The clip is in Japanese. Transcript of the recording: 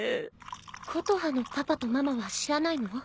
琴葉のパパとママは知らないの？